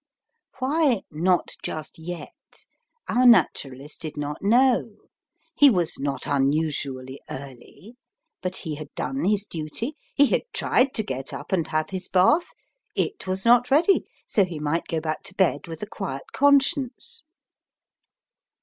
Why "not just yet" our Naturalist did not know. He was not unusually early. But he had done his duty. He had tried to get up and have his bath; it was not ready, so he might go back to bed with a quiet conscience.